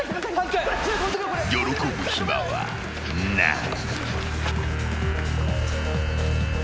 ［喜ぶ暇はない］